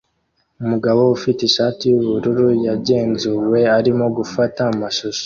Umugabo ufite ishati yubururu yagenzuwe arimo gufata amashusho